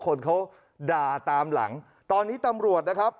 คนเขาด่าตามหลังตอนนี้ตำรวจนะครับ